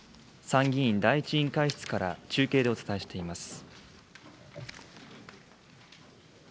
参議院第１委員会室から中継でお伝えしています。